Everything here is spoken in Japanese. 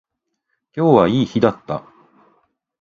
今日はいい日だった